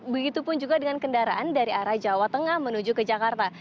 begitupun juga dengan kendaraan dari arah jawa tengah menuju ke jakarta